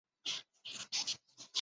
斯旺西海湾的海湾。